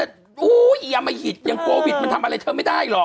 โอ้วอย่ายหนักหิดแย่งก็วิทย์มันทำอะไรเธอไม่ได้หรอก